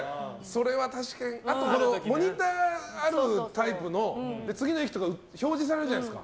あとモニターがあるタイプの次の駅が表示されるじゃないですか。